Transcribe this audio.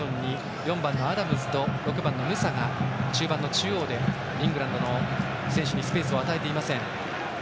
４番のアダムズと６番のムサが中盤の中央でイングランドの選手にスペースを与えていません。